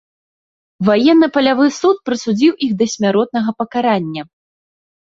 Ваенна-палявы суд прысудзіў іх да смяротнага пакарання.